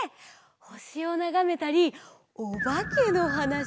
ほしをながめたりおばけのはなしをしたりね。